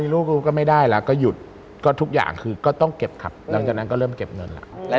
ลูกก็ไม่ได้แล้วก็หยุดก็ทุกอย่างคือก็ต้องเก็บครับหลังจากนั้นก็เริ่มเก็บเงินแล้ว